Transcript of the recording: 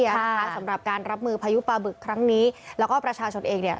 นะคะสำหรับการรับมือพายุปลาบึกครั้งนี้แล้วก็ประชาชนเองเนี่ย